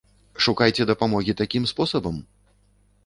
Шукайце дапамогі такім спосабам?